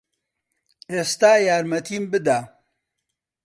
ئێستا یارمەتیم بدە.